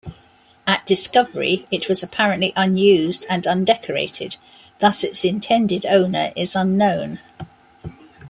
At discovery, it was apparently unused and undecorated, thus its intended owner is unknown.